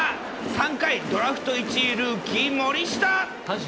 ３回、ドラフト１位ルーキー、森下。